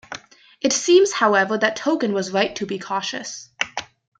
It seems, however, that Tolkien was right to be cautious.